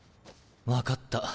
分かった